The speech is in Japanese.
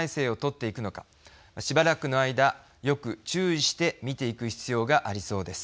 しばらくの間よく注意して見ていく必要がありそうです。